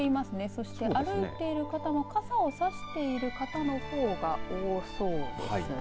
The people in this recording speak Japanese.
そして歩いてる方も傘を差している方のほうが多そうですね。